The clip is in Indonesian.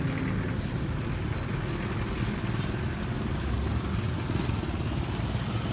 ini deket pohonin yang ujung kiri nih ujung kiri suruh kali ini di atas kita coba